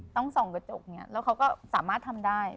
ต้องส่องกระจกอย่างนี้แล้วเขาก็สามารถทำได้